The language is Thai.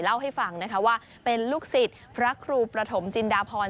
เล่าให้ฟังนะคะว่าเป็นลูกศิษย์พระครูประถมจินดาพร